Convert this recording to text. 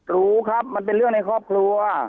รู้ครับมันเป็นเรื่องในครอบครัว